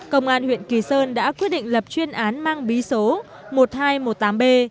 công an huyện kỳ sơn đã quyết định lập chuyên án mang bí số một nghìn hai trăm một mươi tám b